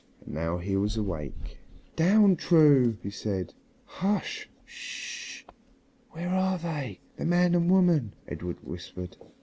And now he was awake. "Down, True!" he said. "Hush! Ssh!" "Where are they the man and woman?" Edred whispered.